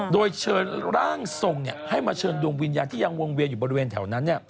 โดยเชิญร่างทรงให้มาเชิญดวงวิญญาณที่ยังวงเวียนอยู่บริเวณแถวนั้น